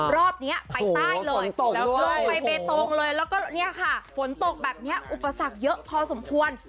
รอบนี้ไปใต้เลยลงไปเบตงเลยแล้วก็เนี่ยค่ะฝนตกแบบนี้อุปสรรคเยอะพอสมควร